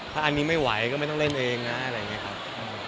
ถ้าอันนี้ไม่ไหวก็ไม่ต้องเล่นเองนะอะไรอย่างนี้ครับ